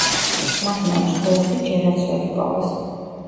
მათი ნამსხვრევები ჯერაც ვერ იპოვეს.